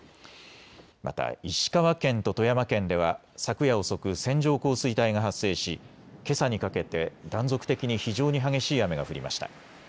また石川県と富山県では昨夜遅く線状降水帯が発生しけさにかけて断続的に非常に激しい雨が降りました。